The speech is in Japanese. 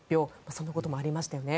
そんなこともありましたよね。